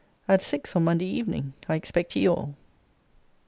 At six, on Monday evening, I expect ye all.